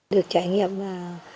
được trải nghiệm là